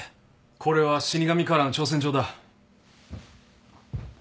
これは死神からの挑戦状だ。